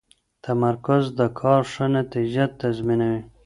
تمرکز د کار ښه نتیجه تضمینوي.